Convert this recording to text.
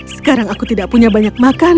sekarang aku tidak punya banyak makan